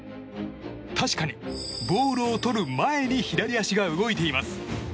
確かに、ボールをとる前に左足が動いています。